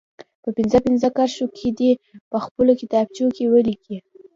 په پنځه پنځه کرښو کې دې په خپلو کتابچو کې ولیکي.